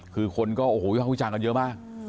คือคนก็โอ้โหพูดจากกันเยอะมาก